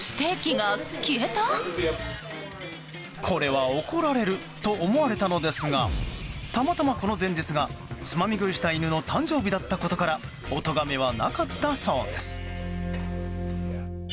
これは怒られると思われたのですがたまたま、この前日がつまみ食いした犬の誕生日だったことからおとがめはなかったそうです。